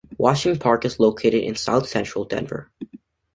Washington Park is located in south central Denver.